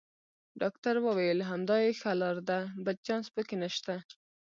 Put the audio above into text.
ډاکټر وویل: همدا یې ښه لار ده، بل چانس پکې نشته.